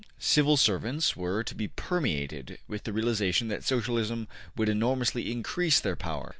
'' Civil servants were to be permeated with the realization that Socialism would enormously increase their power.